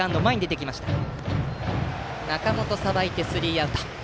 中本がさばいてスリーアウト。